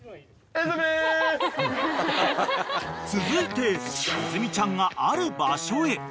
［続いて泉ちゃんがある場所へ］